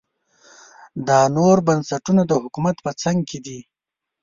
دا نور بنسټونه د حکومت په څنګ دي.